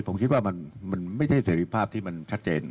ผมคิดว่ามันไม่ใช่เสรีภาพที่มันชัดเจน